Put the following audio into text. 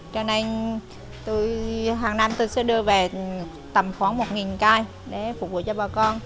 cho nên hàng năm tôi sẽ đưa về tầm khoảng một cây để phục vụ cho bà con